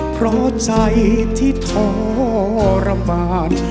เพราะใจที่ทรมาน